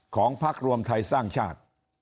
พักรวมไทยสร้างชาติ